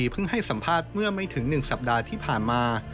ให้สัมภาษณ์เมื่อไม่ถึง๑สัปดาห์ที่ผ่านมา